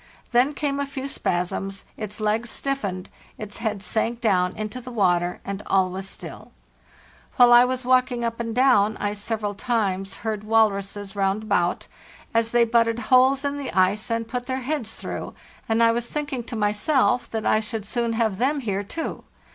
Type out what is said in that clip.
Then came a few spasms, its legs stiffened, its head sank down into the water, and all was still, While I was walking up and down I several times heard walruses round about, as they butted holes in the ice and put their heads through; and I was thinking to myself that I should soon have them here too.